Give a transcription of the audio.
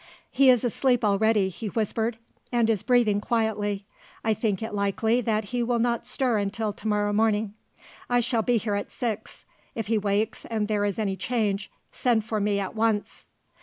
"He is asleep already," he whispered, "and is breathing quietly. I think it likely that he will not stir until tomorrow morning. I shall be here at six. If he wakes, and there is any change, send for me at once."